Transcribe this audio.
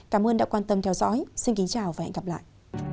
cảm ơn đã quan tâm theo dõi xin kính chào và hẹn gặp lại